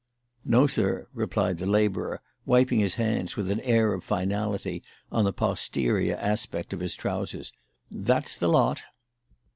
"No, sir," replied the labourer, wiping his hands with an air of finality on the posterior aspect of his trousers; "that's the lot."